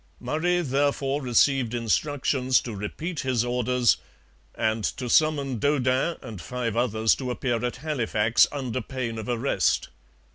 Murray therefore received instructions to repeat his orders, and to summon Daudin and five others to appear at Halifax under pain of arrest.